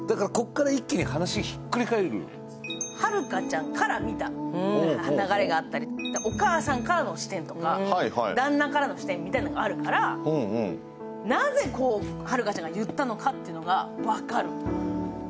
榛花ちゃんから見た流れがあったりお母さんからの視点とか、旦那からの視点みたいのがあるから、なぜこう榛花ちゃんが言ったのかというのが分かる。